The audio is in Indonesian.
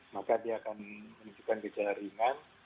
maka dia akan menunjukkan gejala ringan